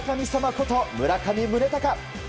こと村上宗隆。